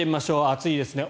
暑いですね。